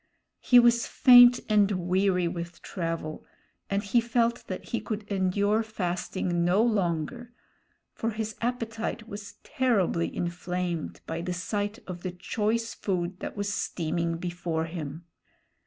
He was faint and weary with travel, and he felt that he could endure fasting no longer; for his appetite was terribly inflamed by the sight of the choice food that was steaming before him.